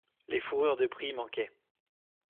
Les fourrures de prix manquaient.